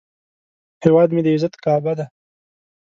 هیواد مې د عزت کعبه ده